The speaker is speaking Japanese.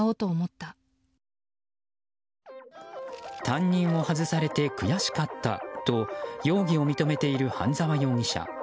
担任を外されて悔しかったと容疑を認めている半沢容疑者。